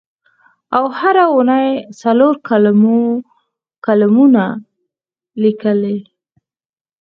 او هره اوونۍ څلور کالمونه لیکي.